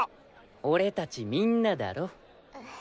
俺達みんなだろ？